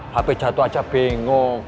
hp jatuh aja bingung